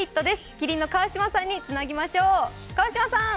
麒麟の川島さんにつなぎましょう。